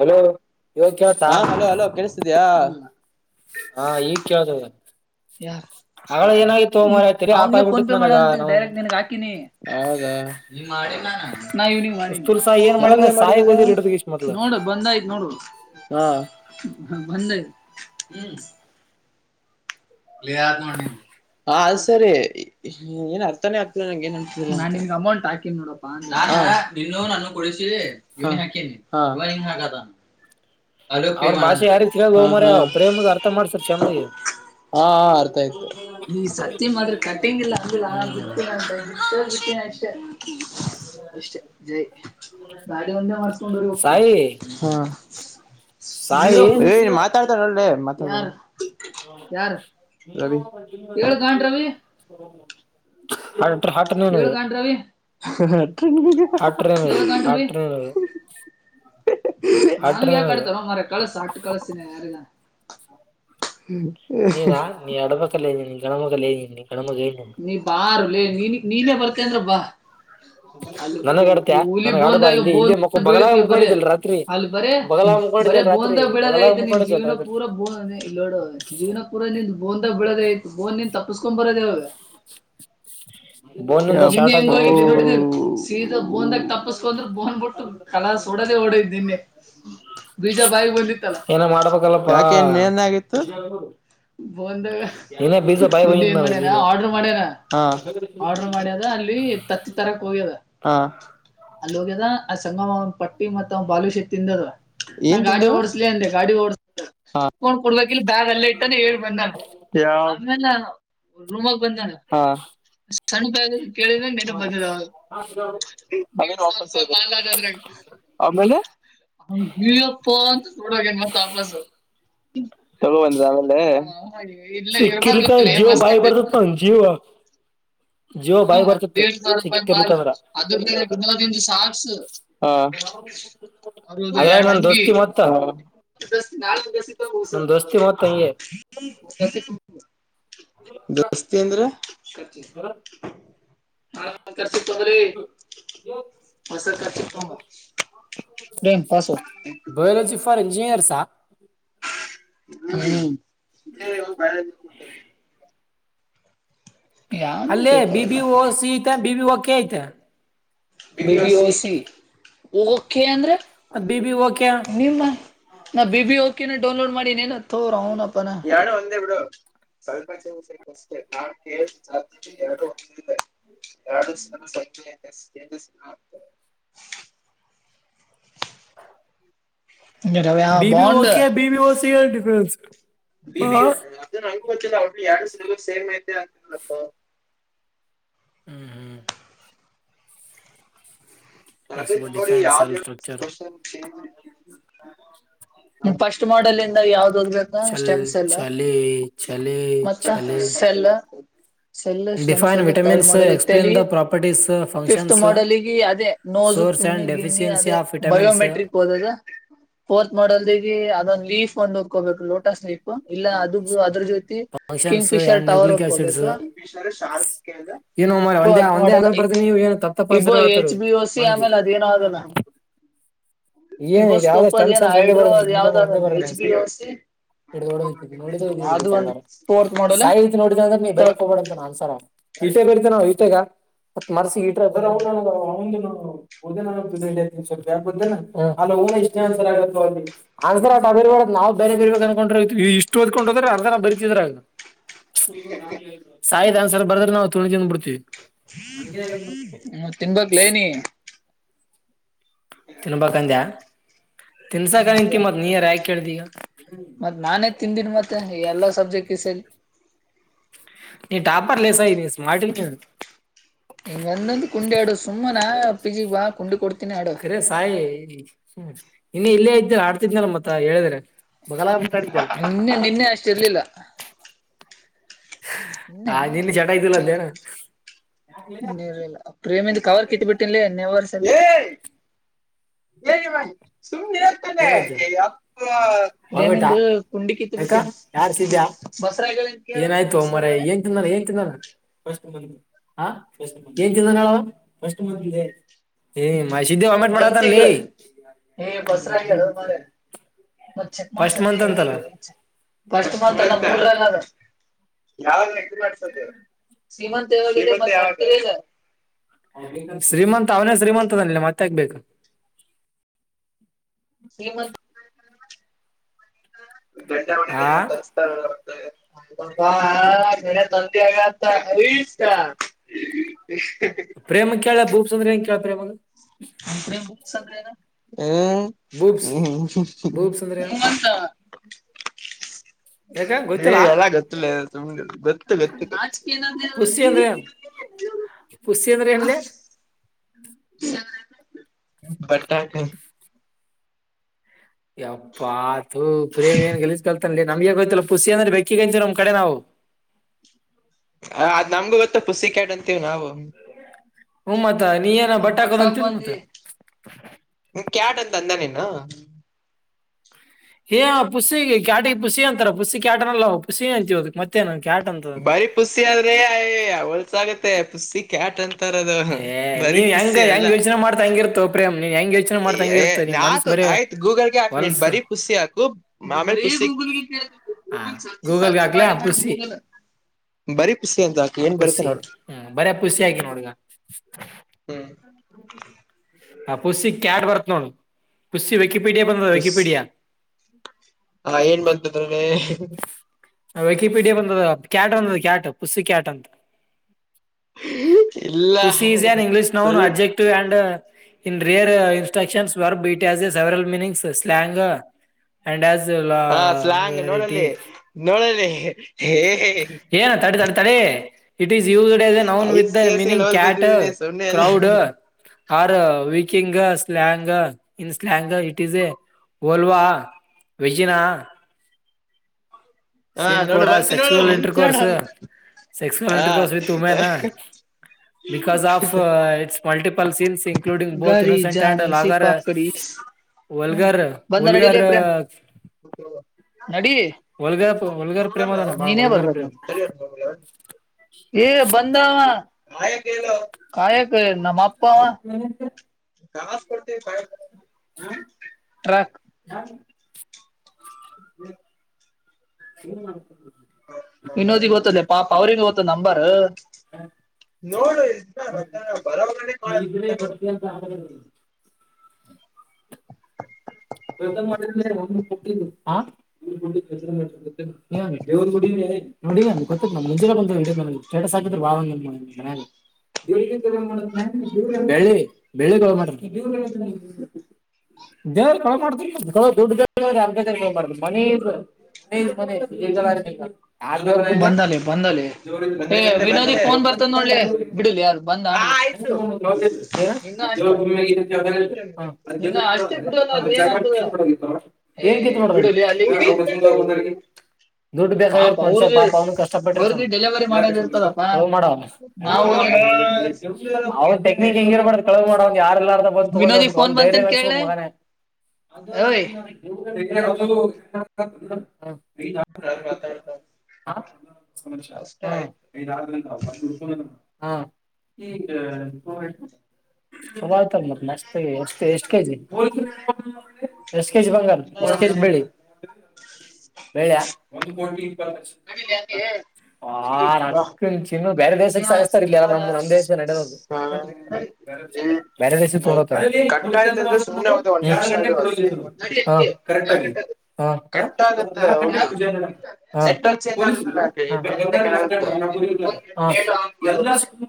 Hello ಇವಾಗ ಕೇಳ್ತಾ ಹಾ ಹಲೋ ಅಲೋ ಕಲ್ಸತಿದ್ಯಾ ಹಾ ಈಗ್ ಕ್ದದ ಯ ತಲಿ ಆಫ್ ಅವನಿಗೆ ಫೋನ್ ಆಗ್ಬಿಟ್ಟಿತ್ ಪೇ ನನಗ ಮಾಡಂತ ನೌನು ಡೈರೆಕ್ಟ್ ನನ್ಗ್ ಹಾಕಿನಿ ಾ ಇವಿ ಮಾಡಿ ಉಸ್ತೂಲ್ ಸಾಯಿ ಏನ್ ಮಾಡಿದ ಯಾಗ ಸಾಯಿಗ್ ಮಾಡಿದೀರ ಓದಿರ್ ಹಿಡ್ದ ಗಿಸ್ ಮೊದ್ಲ ನೋಡು ಬಂದಯ್ತ ನೋ ಹ ಬಂದ ಹ್ಮ ದ ಆತ್ ಹದು ಸರಿ ಹ ಏನ್ ಅರ್ಥಾನೇ ಆಗ್ತಿಲ್ಲ ನಂಗೆ ಏನ್ ಅನ್ಸಿಲ್ಲ ನಾ ನಿನ್ಗ್ ಅಮೌಂಟ್ ಹಾಕಿನಿ ನೋಡಪ್ಪಾ [unintelligible] ಹಾಕ ತ ಹಾಕತಾನ [unintelligible] ಅಲೋಪೇ ಅವ್ನ ಭಾಷೆ ಮಾಡಂತ ಯಾರಿಗ್ ತಿಳಿಯಲ್ಲ ಹ ಹೋ ಹಾ ಮಾರಾಯ ಪ್ರೇಮ್ಗ್ ಅರ್ಥ ಮಾಡ್ಸರ್ ಚಂದಗೆ ಹಾ ಅರ್ಥ ಆಯ್ತ ಈ ಸತ್ತ ಮಾದ್ರ ಕಟಿಂಗ್ ಇಲ್ಲ ಅಂಗಿಲ್ಲ ಹ್ಮ್ ಬಿತಿಲ್ಲ ಅ ಅಷ್ಟ ಅಷ್ಟೇ ಜೈ ಗಾಡಿ ಒಂದೆ ಮಾಡಸ್ಕೊಂಡ್ರ ಊರಿಗೆ ಹೋಕ್ಕಿ ಸಾಯಿ ಹಾ ಸಾಯಿ [unintelligible] ಏನ್ ಮಾತಾಡ್ತಾರಲ್ಲೆ ಮಾತಾಡ ಯಾರ್ ಏಳ್ ಟ ಗಾಂಡ್ ರವಿ [unintelligible] ಏಳ್ ಗಂಡ್ರವಿ ಹಟ್ರ ನಿನಗ ಏಳ್ ಗಂಡ್ರವಿ ಹಟ್ರ ನಿನಗ ಹಟ್ರ ನನ್ಗೆ ಯಾಕ ನಿನಗ ಆಡ್ತಾರ ಮ್ರ ಕಳಸ ಅಟ್ಟು ಕಳಸತಿನಿ ಯಾರಗ ಹ್ಮ್ ನೀರಾ ನೀ ಅಡಮಕಲೇ ನೀ ಗಣಮಕಲೆ ನೀ ಬಾರಲೆ ನೀನ್ ನೀನೇ ಬರ್ತೇನ್ರ ಬಾ ಅಲ್ಲಿ ನನಗ್ ಆಡ್ತ್ಯಾ ಹುಲಿ ನನಗ್ ಆಡ ಬಾ ಬೋಂದಾಗ ಇಲ್ಲಿ ಬ ಇಲ್ಲೇ ಮಕ್ಕ ಬಗಲಾಗ ಬೀಳ್ತಿವಿ ಬರೆ ಮುಕೊಂಡಿದ್ದಿಲ್ ರಾತ್ರಿ ಅಲ್ಲಿ ಬರೀ ಬಗಲಾಗ ಬರೇ ಮುಕೊಂಡಿದ್ದಲ್ ರಾತ್ರಿ ಬೋನದಾಗ ಬೀಳೋದ ಬಗಲಾಗ ಐತ ನಿಮ್ ಮುಕೊಂಡಿದ್ದಲ್ ಜೀವನ ರಾತ್ರಿ ಪೂರ ಬೋನ್ ಇಲನೋಡ ಜೀವನ ಪೂರ ನಿಂದ್ ಬೋನ್ದಾಗ ಬಿಳೋದ ಆಯ್ತು ಬೋನ್ ನಿಂದ ತಪ್ಪಸ್ಕೊ ಬರೋದ ಯಾವಾಗ [inaudible] ಬೋನಿಂದ ಯಪ್ಪೋ ನಿನ್ನೆ ಶಾರ್ಟ್ ಹೆಂಗ ಆದ್ರ ಹೋಗಿದೆ ತಪ್ಸಕೊಂಡ್ ನೋಡಿದಿಲ ಬರ್ತೀನಿ ಸೀದಾ ಬೋಂನದಾಗ ತಪ್ಪಸ್ಕದ್ರೆ ಬೋನ್ ಬಿಟ್ಟು ಕಲಸಾ ಓಡದ ಓಡದ ನಿನ್ನೇ ಬೀಜ ಬಾಯಿಗೆ ಬಂದಿತ್ತಲ್ಲ ಏನ ಮಾಡ್ಬೇಕಲ್ಲಪ್ಪಾ ಯಾಕೆನ್ ನೇನಗತ್ತು ಬಂದಾಗ ನೀನೇ ಬೀಜ ಬಾಯಿ ನಿನ್ನೇ ಬಂದಿದ್ ಏನ್ ನನಗ್ ಮಾಡ್ಯನ ನೀನೆ ಆರ್ಡರ್ ಆರ್ಡರ್ ಮಾಡ್ಯದ ಅಲ್ಲಿ ತತ್ತಿ ತರಕ್ ಹೋಗ್ಯದ ಅಲ್ಲಿ ಹೋಗ್ಯದ ಆ ಸಂಗಮ ಅವ್ ಪಟ್ಟಿ ಮತ್ತ ಅವ್ ಬಾಲುಷ್ಯ ತಿಂದದ ಏನ್ ಗಾಡಿ ಓಡಸ್ಲಿ ಅಂದೆ ಗಾಡಿ ಓಡಸಾಲೆ ಮುಚಕೊಂಡು ಕೂಡಬೇಕು ಬ್ಯಾಗ್ ಅಲ್ಲೇ ಇಟ್ಟಾನೆ ಹೇಳಿ ಬಂದಳು ಆವಾ ಎಲ್ಲೆದಾನ್ ರೂಮಾಗ ಬಂದಾನು ಹಾ ಸಣ್ಣ ಬ್ಯಾಗ್ ಕೇಳಿದ ನಟ್ಟ ಬದದ [unintelligible] ಆಮೇಲೆ ಹ ನ್ಯೂಯರ್ಕ್ ಪಂತ ನೋಡ ಮತ್ತಾಪಸ್ ಹಗೋ ಬಂದರ ಆಮೇಲೆ ಇಲ್ಲ ಸಿಕ್ಕಿಲ್ಲ ಕ ಇರ್ಬಾರ್ದಿತ್ತಿಲ್ಲ ಜೀವ ಬಾಯಿ ಬರ್ತತ್ ಪಾ ಜೀವ ಜೀವ ಬಾಯಿ ಹ್ಮ ಬರ್ತಿತ್ತು ದೇಡ್ ಸಾವಿರಪಕ್ ಮಾಲ್ ಸಿಕ್ಕಿರ್ಲಿಕ್ಕಂದ್ರ ಅದ ಸರ್ಸ್ ಹ ಹರುದು ಎರಡ್ ಅಂಗಿ ನಾಲ್ ನನ್ ದೋಸ್ತಿ ಮತ್ ಹಂಗೆ [unintelligible] ಸತ್ತ ದಸ್ತಿ ಅಂದ್ರೆ [inaudible] ಹಾ ಕರ್ಚೀಫ್ ತೊಂಬರಿ ಹೊಸ ಕರ್ಚೀಪ್ ತೊಂಬಾ ಬಯಾಲಜಿ ಫಾರ್ ಎಂಜಿನಿಯರ್ಸಾ ಹ್ಮ ಹ್ಮ ಬಡ್ತ [unintelligible] ಅಲ್ಲೇ ಬೇಕು ಬಿ ಬಿ ಅವೆಲ್ಲ ಓ ಸಿ ಐತೆ ಬಿ ಬಿ ಓ ಕೆ ಐತೆ B B O C K ಅಂದ್ರೆ ಮತ್ ಬಿ ಬಿ ಓಕೆ ನಿಮ್ಮ ನಾ ಬಿಬಿ ಓಕೆನ ಡೌನ್ಲೋಡ್ ಮಾಡನ ಏನ್ ನಪ್ಪ [unintelligible] ಎರಡು ಒಂದ ಬಿಡ್ ಸಾಧ್ಯತೆ ಎರಡು ಎರಡು ಸಂ [inaudible] ರವ್ಯಾ B B bond okay Bibi O C ಯ ಡಿಫರೆನ್ಸ್ ಬಿಬಿ ಅದು ನಂಗ ಗೊತ್ತಿಲ್ಲ ಯರಡು ಸಿಲೇಬಸ್ ಸೇಮ್ ಅಂತರಪ್ಪ ಹ್ಮ್ ಹ್ಮ್ ಎಸ್ ಅದೇ ಫೋರ್ಟಿ ನೋಡಿ ಫೈವ್ ಯಾವ್ದ್ ಸೆಲ್ಫ್ ಯಾವ್ದ್ ಸ್ಟಕ್ಚರ್ ಕ್ವಶ್ಚನ್ ಚೇಂಜ್ ಐತೆ ಫಸ್ಟ್ ಮಾಡಲ್ ಇಂದ ಯಾವ್ದ ಓದಬೇಕ ಚಲ್ ಸ್ಟೆಮ್ ಸೆಲ್ ಚಲಿ ಚಲಿ ಮತ್ತ ಚಲಿ ಸೆಲ್ ಇಲ್ಲ ಸೆಲ್ಲ ಸ್ಟೆಮ್ ಸ ಡಿಫೈನ್ ಎಲ್ಲ ತರ್ಡ್ ವಿಟಮಿನ್ಸ್ ಮಾಡಲ್ಗ ಎಕ್ಸ್ಪ್ಲೇನ್ ಲೀಟಲಿ ದ ಪ್ರಾಪರ್ಟೀಸ್ ಫಿಫ್ತ್ ಫಂಕ್ಷನ್ಸ್ ಮಾಡಲಿಗೆ ಅದೇ [unintelligible] ೋ ಸೋರ್ಸ್ ಅಂಡ್ ತುಿ ಗಿಣ್ಣಿ ಡೆಫಿಶಿಯನ್ಸಿ ಅದೇ ಆಫ್ ವಿಟಮಿನ್ಸ್ ಬಯೋಮೆಟ್ರಿಕ್ ಹೋದದ ಫೋರ್ತ್ ಮಾಡಲ್ [unintelligible] ಲೀಫ್ ಒೊಂಡ ಹ್ಕೋಬೇಕು ಲೋಟಸ್ ಲೀಫ್ ಇಲ್ಲ ಅದು ಅದ್ರ ಜೊತೆ king functions Fisher and tower nucleic acids ಹಕೋಬೇಕು ಶಾರ್ಕ್ಸ್ ಏನು ಮಾರಾಯ ಬ ಒಂದೇ ಅರ್ತ ಒಂದೇ ಮಾಡ ಆನ್ಸರ್ ಬರ್ತೀನಿ ನೀವು ಏನು ತಪ್ಪ ತಪ್ಪ ಇಬೋ ಆನ್ಸರ್ ಹೇಳ್ತಾರ ಎಚ್ ಬಿ ವಸ್ ಆಮೇಲೆ ಅದೇಏನ ಅಗಲ್ಲ ಮಂದಿ [unintelligible] ಏನ್ ಯಾವದಷ್ಟು ಒಂದ್ಸರ್ ಒಂದೇ ಬರದು ಅದ ಯಾವ್ದ ನಿಮ್ಮ ಒಂದೇ ಆಗಲ್ಲ ಬರದು ಎಚ್ ಬಿ ಒಂದ್ಸರಿ ಓ [unintelligible] ಸಿ ಇಡು ೋಡ ನೋಡಿದ ಇದದು ಅದು ಇಡ್ಬೇಕ ಒಂದು ಎಲ್ಲಾರ ಫೋರ್ತ್ ಮಾಡಲ್ ಸಾಯಿತಿ ನೋಡಿದ ಅ್ರೆ ನೀ ಬ ಬೆರಕ್ ಹೋಗಬೇಡ ಅಂತ ನನ್ಸಾರ [unintelligible] ಇತೆೆ ಬಡ್ತ ನಾವು ಈತೆಗ [unintelligible] ಮತ್ ಮರ್ಸಿ ನಿ ಯ ಬದ್ದೇ [unintelligible] ಹ ಅ ಇಷ್ಟ ಆಸರ್ ಆಗ ಆನ್ಸರ್ ಆೇ ನಾವ್ ಬೇರೆ ಬೇರ್ಬೇಕ ಅನ್ಕೊಂಡ ಇಷ್ಟ ಓದಕ [unintelligible] ್ರ ಅರ್ಧನ ಬರಿತಿದ್ರ ಸಾಯ್ದ ಅನ್ಸರ್ ಬರದ್ರೆ ನಾವು ತುಣಿ ತಿಿಂದ ಬಿಡ್ತೀವಿ ಮತ್ ತಿನ್ಬೇಕಕ್ಲೇನಿ [unintelligible] ತಿನ್ಬಂದ್ಯಾ ತಿನ್ಸಾಕಂತ ಮತ್ ನೀರ್ ಯಾಕ ಕೇಳ್ದಿಗ ಮತ್ತ್ ನಾನೇ ತಿಂದೀನಿ ಮತ್ತೆ ಎಲ್ಲಾ ಸಬ್ಜೆಕ್ಟ್ ಈ ಸೇರಿ [unintelligible] ನೀ ಾಪರ್ ಲಸ ಈ ನೀ ಸ್ಮಾರ್ಟ ಕಚ ಇಂಗ ಅಂದಂದು ಕುಂಡಿ ಆಡು ಸುಮ್ಮನಾ ಪಿಜಿ ಕುಂಡಿ ಕೊಡ್ ಖರೆ ಸಾಯಿ ಇನ್ನ ಇಲ್ಲೇ ಇದ್ದರ ಆಡ್ತಿದೆಲ್ಲ ಮತ್ತ ಹೇಳಿದ್ರ ಹೋಗಲ್ಲ ಅಂತಾಡಿದ್ದಲ್ಲ ನಿನ್ನೆ ನಿನ್ನೆ ಅಷ್ಟಿರ್ಲಿಲ್ಲ ಆ ನಿನ್ನೆ ನಿನ್ನ ಜಟ ಇದ್ದಲ್ಲ ಅಂತೇನಾ [unintelligible] [unintelligible] ಇರ್ಲ್ಲ ಪ್ರೇಮಿಂದ ಕವರ್ ಕಟ್ಟಿಬಿಟ್ಟಿನ್ಲ ನೆವರ್ [unintelligible] ಹೇಳಏ ಹೇಳಾಯ್ ಸುಮ ನಿರ ತ ಏನಾಯ್ತು [unintelligible] ಯಾ ವಾಮಿಟ ಕೇಮಂದು ಕುಂಡಿ ಕಿತ್ತು ಯಾಕ ಬಿಟ್ಟೇನೆಿ ಯಾರು ಸಿದ್ಯಾ ಬಸರ ಏನಾಯ್ತು ಮರ ಏನ್ ತಿಂದನ ಏನ್ ತಿಂದಾನ [unintelligible] ಫಸ್ಟ್ ಮ ಹ ಫ ಏನ್ ತಿಿಂದ ಫಸ್ಟ್ ಮಂದ ಏ ಮ ಸಿದ್ದೆ ವಮೆಟ್ ಮಾಡಡತನ್ ಲೇ [unintelligible] ಬಸ ಮ ಚೆಕ್ಸ ಫಸ್ಟ್ ಮಂತ್ ಅಂತಲ್ಲ ಲ್ಲ [inaudible] [inaudible] [unintelligible] ಯಮ ಸಮಂತವ ಶ್ರೀಮಂತ ಅವನೇ ಶ್ರೀಮಂತ ಅನ್ಲಿಲ್ಲ ಮತ್ತೆ ಯಾಕಗ್ಬೇಕು ಶ್ರೀಮಂತ್ ಗಂಡ ಆ ಒಲ್ಲ ಕತ [inaudible] ಮ ತಂದೆ ಅಸ್ [inaudible] ಹ [inaudible] ಪ್ರೇಮ ಕೇಳ ಭೂಪಸಂದ್ರಂಗ [unintelligible] ಕೇಳಳ್್ರದ [unintelligible] ಅ ಕ ಬುಕ್ಸ್ ಅಂದ್ರೆ ಎನು ಬೂಬ್ಸ್ ಹ್ಮ ಬೂಬ್ಸ್ ಅಂದ್ರೆ ಏನು [inaudible] [inaudible] ಏ ಗೊತ್ತಿಲ್ಲ ಎಲ್ಲ ಗೊತ್ತಿಲ್ಲ ಸುಮ್ ಗೊತ್ತು ಗೊತ್ತು ಕುಸಿಯಂದ್ರ ಏನ್ಲ್ಲೇ ಬಟ್ಟಾಹಾಕ ಯಪ್ಪಾ ತು ಪ್ರೇಮ್ ಏನ್ [unintelligible] ಗೆಲ್ಿಸ್ ಕಲ್ತನ್ಿ ನಮ್ಗೆ ಗೊತ್ತಿಲ್ಲ ಪುಸಿ ಅಂದ್ರೆ ಬೆಕ್ಕಿಗಂತರ ನಮ್ ಕಡೆ ನಾವು ಅ ಅದ್ ನಮ್ಗು ಗೊತ್ತು ಪುಸ್ಸಿಕ್ಯಾಟ್ ಅಂತೀವಿ ನಾವು ಹ್ಮ ಮತ್ತ ನೀ ಏನ ಮತ್ ಬಟ್ಟಾಕ್ ಬಟ್ಟಾಕದಂತಿಲ್ಲ ಮತ್ತ ಬಂದಿ ಕ್ಯಾಟ್ ಅಂತ ಅಂದ ನೀನು ಏ ಪುಸ್ಸಿಗೆ ಕ್ಯಾಟಿಗೆ ಪುಸ್ಸಿ ಅಂತಾರ ಪುಸ್ಸಿ ಕ್ಯಾಟ್ಅನಲ್ಲ ಪುಸ್ಸಿ ಅಂತೀವಿ ಮತ್ತೇಏನ ಬಾರಿ ಪುಸ್ಸಿ ಆದ್ರೆಯ ಹೊಲ್ಸ್ ಆಗತ್ತೆ ಪುಸ್ಸಿ ಕ್ಯಾಟ್ ಅಂತ ತರದ ಏ ಬರಿ ನೀವ್ ಹೆಂಗ ಪುಸ್ಸಿ ಅಲ್ಲ ಹೆಂಗ್ ಯೋಚನೆ ಮಾಡ್ತಾ ಹಂಗಿರ್ತೋ ಪ್ರೇಮ್ ನೀವ್ ಹೆಂಗ್ ಯೋಚನೆ ಮಾಡ್ತಾ ಹಂಗಿರ್ತ ನಿಮ್ ಮನ್ಸ್ ನತು ಬರೇ ಆಯ್ತು ಗೂಗಲ್ಗೆ ಹಾಕ್ಬಿನ್ ಹೊಲ್ಸ್ ಬರೀ ಖುಷಿ ಹಾಕುಮೇ ಹಾ ಬ ಸಾ ಗೂಗಲ್ಗೆ ಸಾಚೆ ಹಾಕ್ಲ ಮಾಡಟೆ ಮಾಡ ಪುಸ್ಸಿ ಹಲ್ಲ ಬರೀ ಪುಸ ಅಂತಕ ಏನ್ ಬರುತ್ತೆ ಪುಸ್ಸಿ ನೋಡು ಹ್ಮ್ ಬರೇ ಪುಸ್ಸಿ ಹಾಕಿ ನೋಡೀಗ ಹ್ಮ್ ಆ ಪುಸಿ ಕ್ಯಾಡ್ ಬರತ ನೋಡ ಪಸ್ಸ ವಿಕಿಪೀಡಿಯಾ ಬಂದ ಪುಸ್ ವಿಕಿಪೀಡಿಯಾ ಹ ಏನ್ ಬತದೆ ವಿಕಿಪೀಡಿಯಾ ಬಂದದ ಕ್ಯಾಟ್ ಬಂದದ ಕ್ಯಾಟ್ ಪುಸ್ಸಿ ಕ್ಯಾಟ್ ಅಂತ ಇಲ್ಲ ಸಿ ಇಸ್ಂಡ ಇಂಗ್ಲಿಷ್ ನೌನ್ ಸುಲ್ object and in rear instructions var beet as a several meanings slang and as ಲ್ಲಾ ಹಾ ಸ್ಲಾಂಗ್ ರಟೀ ನೋಡಲ್ಲಿ ನೋಡಲ್ಲಿ ಹೇ ಏನ ತಡೆ ತಡೆ ತಡೆ it is used as a noun ಐದ್ with the C S L meaning ಓದ್ ಕ್ಯಾಟ್ ಬಂದಿದ್ದೀನಿ ಸುಮ್ನೆ ಎಲ್ಲ ಕ್ರೌಡ್ ಆರು ವೀ ಕಿಂಗ್ ಸ್ಲಾಂಗ್ ಇನ್ ಸ್ಲಂಗ ಇಟ್ ಇಸ್ ಎ ವಲ್ವಾ ವಿಜಿನ ಹಾ ಸೀನ್ ನೋಡು ಕೂಡ ಬಂತು ನೋಡು ಸೆಕ್ಸುವಲ್ ಬಂತು ಇಂಟರ್ಕೋರ್ಸ್ ನೋಡು ಸೆಕ್ಸ್ ಹಾ ಕಾಲಂಟ್ರ ಕಸವಿ ತುನಾ because of it's multiple scenes including ಬಹತ್ ಗರಿ ಇನೋಸೆಂಟ್ ಆಂಡ್ ಜಾನಿ ಲರ್ ಸಿಪಾಕಡಿ ವಲ್ಗರ್ ಬಂದ ವಲ್ಗರ್ ನಡಿಲೇ ಪ್ರೇಮ್ ನಡಿ ಪ್ರೇಮ ಅದಾನ ಬಾಳ ನೀನೇ ಬರ್ ಪ್ರೇಮ. ರ್ಬೇಕು ಏ ಬಂದ ಾಯ ಕಾಯಕ ನಮ್ಮ ಅಪ್ಪಾವ ಕಸ್ ಕೊಡ್ತ ಕ ಹ್ಮ ಹ ಮಾಡತ ಇನ್ನೋದಿಗೆ ಗೊತ್ತದೆ ಪಾಪ ಅವ್ರಗ ಗೊತ್ತದ ನಂಬರ್ ನೋಡು ಇ ಬರೋಬ ನೀ ಇದ್ರೆ ಬರ್ತೀಯ ಅಂತ ಮಾಡೇವ್ರಡ ನೋಡಿ ನ ಗೊತ್ತ ನ್ ಮುಂಜೆ ಬಂದ ಸ್ಟೇಟಸ್ ಹಾಕಿದ್ರ ಬ ಬೆಳೆ ದವ ಮಾಡ್ದುಡ್ ಮಾಡ್ತ ಮನ ನನ್ ಬರ ಬಂದಲ್ಲಿ ಬಂದಲ್ಲಿ ಯಲ್ ಏ ವಿನೋದಿ ಫೋನ್ ಬರ್ತದ ನೋಡ್ಲಿ ಬಿಡಿಲಿ ಯಾರು ಬಂದ ಆಯ್ತು ದ ಏನ ಇನ್ನ ಅಷ್ಟ ಇನ್ನ ಅಷ್ಟೇ ಬಿಡೋಲ್ಲ ಅದು ಏನಾಗ್ತದ ಕಿತ್ಬಾರ್ದಿನ್ಗ್ ಏ ಬಿಡುಲಿ ಅಲ್ಲಿಗೆ ದುಡ್ಡು ಪಾಪ ಬೇಕಾಗಿರ್ತ ಮನಷ್ಯ ಅವ್ರಿಗೆ ಪಾಪ ಅವನ ಕಷ್ಟಪಟ್ಟಿರ್ತವ ಅವ್ರಿಗೆ ಡೆಲಿವರಿ ಮಾಡೋದ ಇರ್ತದಪ್ಪಾ ಮಾಡವ ನಾವು ಸುಮ್ನೆ ಇರು ಅವ್ ಮುಗಿತಿಲ್ಲಿ ಟೆಕ್ನಿಕ್ ಹೆಂಗಿರ್ಬಾರ್ದ್ ಕಳ ಮಾಡ ಅವ್ ಯಾರಲ್ಲ ಬಂದು ವಿನೋದಿ ತೊಗೊಂಡ್ಗ್ಬೇಕು ಫೋನ್ ಅವನ್ ಬಂತನ್ ಧೈರ್ಯೆನ್ಸ್ಬೇಕಕ್ ಕೇಳಲೆ ಮನನೆ ಓಯ್ ಹ ಮಾತಾವ ಸಮ ಆಯ್ತು. ಅಲ್ಲಿಕ ಹ್ಮ್ ಈಗ ತುಂಬ ಆಯ್ತಲ್ ಮತ್ತ ಮಷ್ಟ ಎಷ್ಟು ಎಷ್ಟು ಕೈಜಿ ಎಷ್ಟ ಕೆಜಿ ಬಂಗಾರ ಎಷ್ಟ್ ಕೆಜಿ ಬೆಳ್ಳಿ ಬೇಳ್ಯ ಒಂದು ಕೋಟಿ ಇಪ್ಪತ್ತು ಲಕ್ಷ ಆ ಬಾ ರಕ್ಕ ಚಿನ್ನ ಬೇರೆ ದೇಶಕ್ ಸಾಗಿಸ್ತಾರ ಇಲ್ಲಿ ನಮ ನಮ್ ದೇಶದ ನಡದೋದು ಬೇರೆ ದಸ ತೋ ಕಟ್ ಆಯ್ತಂದ್ರೆ ಸುಮ್ನೆ ಒಂದು ಒಂದ್ ನಿಮಿಷ ಅದಕ್ಕೆ ಜ ನಡಿ ಕಟ್ ಆಗುತ್ತೆ ಹೌದು ನೆಟ್ವರ್ಕ್ ಚೇಂಜ್ ಪೊಲೀಸ್ ಆಗುತ್ತಲ್ಲ ಬ ಮೇಲಿಂದ ಕೆಳಗಕ್ಕೆ ಗುರಿ ಎಲ್ಲಾ ಸ್ಕೂ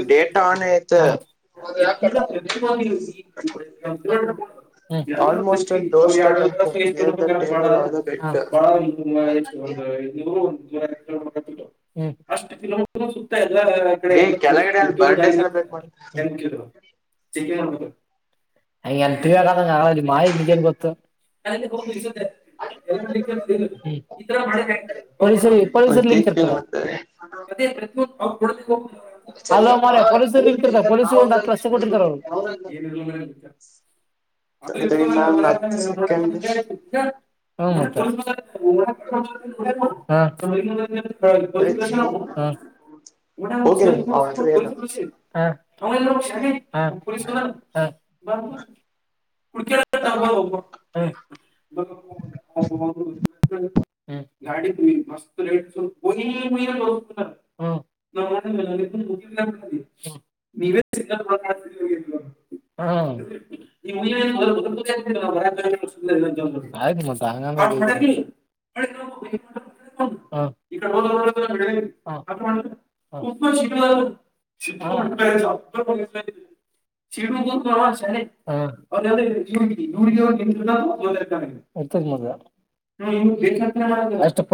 ಎ ಡೇಟಾ ಆನ್ ಇತ್ತು ಎಲ್ಲ ಪ್ರತಿ ಈ ಆಲ್ಮೋಸ್ಟ್ ಅಟ್ ಲ್ ಅವ ಡೋರ್ ಸ್ಟೆಪ್ ಎರಡು ಅಂತ ಎಷ್ಟ clear the table R the bed ಬ ಒ [unintelligible] ೂರ ಅಷ್ಟ ಕಿಲೋಮೀಟರ್ ಸುತ್ತಾ ಇ [unintelligible] ಎಲ್ಲ ಕಡೆ ಏ ಎಲ್ಲ ಕೆಳಗಡೆ ಅಲ್ಲಿ ವೃತ್ಯ ಬರ್ಡೇ ಜಾರಿ ನೆ ಸೆಲೆಬ್ರೇಟ್ ಚಕ್ಕ ಮಾಡ್ತಾರೆ [unintelligible] ಹಗೆ ಎ ತಿಗಂಗ ಆ ಮಾಿ ನಿಜೇನ್ ಗೊತ್ತು [unintelligible] ರ ಪ ಪೊಲೀಸರ್ ಲಿಂಕ್ ಇರ್ತ [unintelligible] ಎ ಮಾಡ್ತಾರೆ [unintelligible] ಅದೇ ಹೆದರ ಪ್ರುಖ [unintelligible] ಹ್ಮ [unintelligible] ಅಲ ಮ್ರ ಪೊಲೀಸ ನಿಂತಿರ್ತ ಪೊಲೀಸ ಒಂದು ಹತ್ತ ಲಕ್ಷ ಕೊಟ್ಟಿರ್ತಾರ ಅವ್ರು ತಡಿ ತಡಿ ಇನ್ನೊಂದ್ ಹತ್ತ್ ಸೆಕೆಂಡ್ [unintelligible] ಅ [unintelligible] ಹ ಮ ಹಾಂ [unintelligible] ದಸ ಕಳತ್ರಿ ನವು [unintelligible] ಲ ಹೋಗಿರಿ ಅವ ಸ ಹೆಸರು ಪ ಹ್ಮ ಏನು [unintelligible] ಬ ಕುಡಕಬ ಹೋಗಬ [unintelligible] ಹ [unintelligible] ಗಾಡಿ ಮಸ್ತ ರೇಟ್ ಗುಯ್ ಗುಯ್ ಅಂತ [unintelligible] [unintelligible] ಹಾ [unintelligible] ಈಯ ಆಯಿತ ಬಿಡ್ ಪಾ [unintelligible] ಹ [unintelligible] ಹಾ ಹಾ [unintelligible] ಸಿಟ ಉದ ಬ ಶಾರೆ [unintelligible] ಹ ಹಗಿ ಹೋಗಿ ನಿರ್ತದದ ಹ ಬ ಮಾಡ ಅಷ್ಟ [unintelligible]